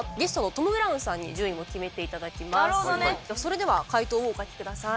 それでは回答をお書きください。